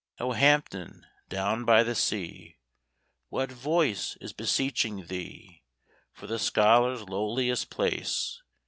O Hampton, down by the sea! What voice is beseeching thee For the scholar's lowliest place?